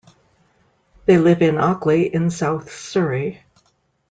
They live in Ockley in south Surrey.